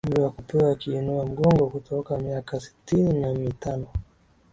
umri wa kupewa kiinua mgongo kutoka miaka sitini na mitano